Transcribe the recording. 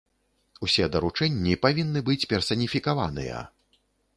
Усе даручэнні павінны быць персаніфікаваныя.